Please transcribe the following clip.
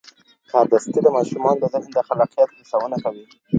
کاردستي د ماشومانو د ذهن د خلاقیت هڅونه کوي.